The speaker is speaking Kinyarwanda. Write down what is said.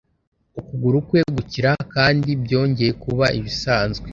ukuguru kwe gukira kandi byongeye kuba ibisanzwe